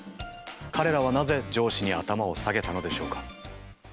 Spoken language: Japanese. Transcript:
彼らはなぜ上司に頭を下げたのでしょうか？